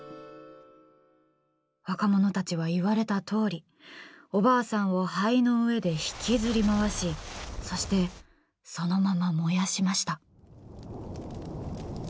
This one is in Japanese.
若者たちは言われたとおりおばあさんを灰の上で引きずり回し、そしてそのまま燃やしました。